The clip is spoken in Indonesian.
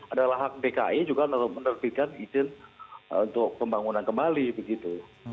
adalah hak dki juga untuk menerbitkan izin untuk pembangunan kembali begitu